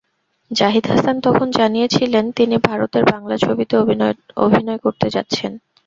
জাহিদ হাসান তখন জানিয়েছিলেন, তিনি ভারতের বাংলা ছবিতে অভিনয় করতে যাচ্ছেন।